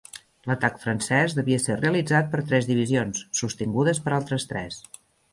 L'atac francès devia ser realitzat per tres divisions, sostingudes per altres tres.